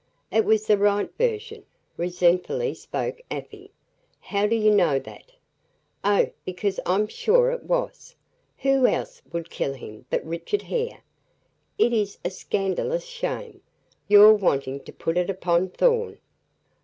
"It was the right version," resentfully spoke Afy. "How do you know that?" "Oh! because I'm sure it was. Who else would kill him but Richard Hare? It is a scandalous shame, your wanting to put it upon Thorn!"